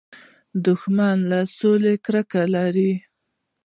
دښمن له سولې کرکه لري